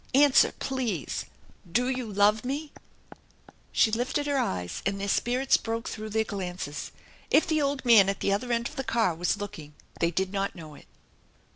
Answer, please. Do you love me?" THE ENCHANTED BARN 301 She lifted her eyes, and their spirits broke through their glances. If the old man at the other end of the car was looking they did not know it.